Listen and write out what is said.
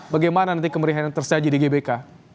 bagaimana nanti kemerahan yang tersedia di gbk